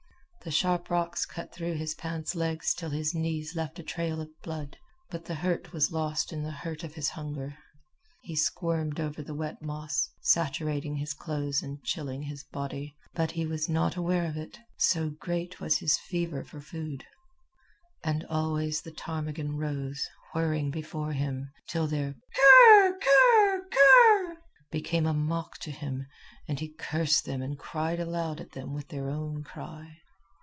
The sharp rocks cut through his pants' legs till his knees left a trail of blood; but the hurt was lost in the hurt of his hunger. He squirmed over the wet moss, saturating his clothes and chilling his body; but he was not aware of it, so great was his fever for food. And always the ptarmigan rose, whirring, before him, till their ker ker ker became a mock to him, and he cursed them and cried aloud at them with their own cry.